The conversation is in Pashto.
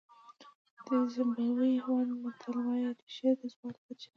د زیمبابوې هېواد متل وایي رېښې د ځواک سرچینه ده.